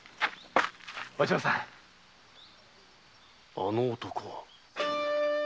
あの男は